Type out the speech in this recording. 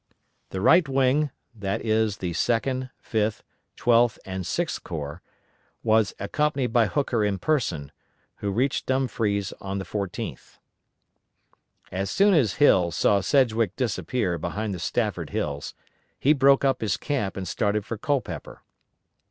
The right wing (that is the Second, Fifth, Twelfth, and Sixth Corps) was accompanied by Hooker in person, who reached Dumfries on the 14th. As soon as Hill saw Sedgwick disappear behind the Stafford hills, he broke up his camp and started for Culpeper.